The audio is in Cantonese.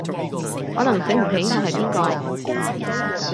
可能醒唔起我係邊個